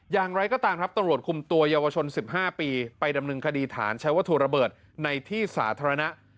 อย่างไรก็ตามครับตำรวจคุมตัวเยาวชน๑๕ปีไปดำเนินคดีฐานใช้วัตถุระเบิดในที่สาธารณะ